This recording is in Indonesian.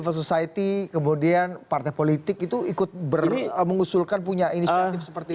viva society kemudian partai politik itu ikut mengusulkan punya inisiatif seperti itu